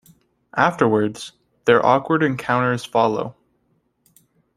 Afterwards, their awkward encounters follow.